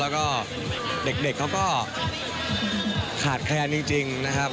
แล้วก็เด็กเขาก็ขาดแคลนจริงนะครับ